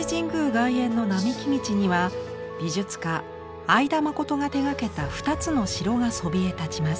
外苑の並木道には美術家会田誠が手がけた２つの城がそびえ立ちます。